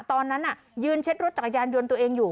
ตอนนั้นยืนเช็ดรถจักรยานยนต์ตัวเองอยู่